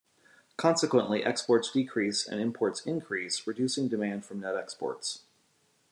Consequently, exports decrease and imports increase, reducing demand from net exports.